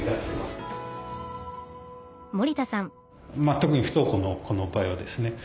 特に不登校の子の場合はですね